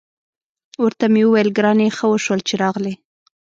ورته مې وویل: ګرانې، ښه وشول چې راغلې.